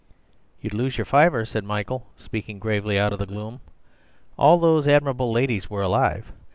"You'd lose your fiver," said Michael, speaking gravely out of the gloom. "All those admirable ladies were alive.